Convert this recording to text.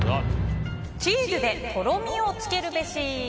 チーズでとろみをつけるべし。